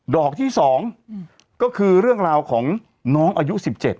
ดอกที่๒ก็คือเรื่องราวของน้องอายุ๑๗